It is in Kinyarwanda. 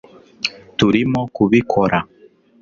turimo kubibona